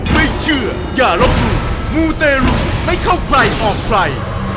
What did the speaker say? ไม่เชื่ออย่าลบหลู่มูเตรุไม่เข้าใครออกใคร